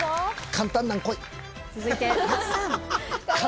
簡単なん来い。